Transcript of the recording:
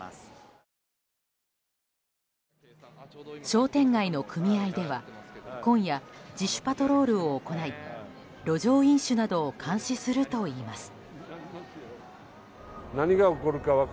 商店街の組合では今夜、自主パトロールを行い路上飲酒などを監視するといいます。